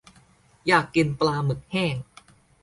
อยากกินปลาหมึกแห้ง